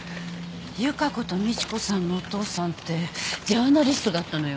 由加子と美知子さんのお父さんってジャーナリストだったのよ。